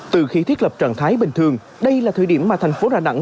từ khi thiết lập trạng thái bình thường đây là thời điểm mà thành phố đà nẵng